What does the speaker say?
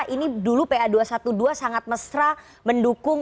ini dulu pa dua ratus dua belas sangat mesra mendukung